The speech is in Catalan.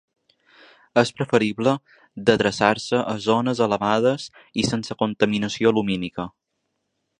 És preferible d’adreçar-se a zones elevades i sense contaminació lumínica.